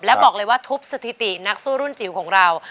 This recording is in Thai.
และบอกเลยว่าทุบสถิตินักสู้รุ่นจิ๋วของเรา